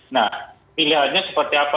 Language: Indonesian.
nah pilihannya seperti apa